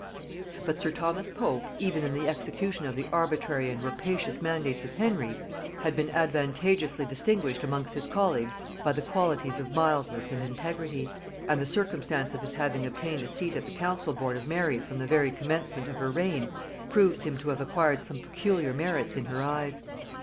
But sir Thomas Pope, even in the execution of the arbitrary and rapacious mandates of Henry, had been advantageously distinguished amongst his colleagues by the qualities of mildness and integrity; and the circumstance of his having obtained a seat at the council board of Mary from the very commencement of her reign, proves him to have acquired some peculiar merits in her eyes.